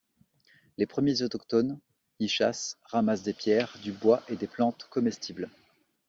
Les premiers autochtones y chassent, ramassent des pierres, du bois et des plantes comestibles.